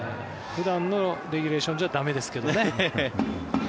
普段のレギュレーションじゃ駄目ですけどね。